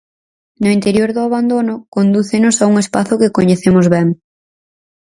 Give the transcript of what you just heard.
No interior do abandono condúcenos a un espazo que coñecemos ben.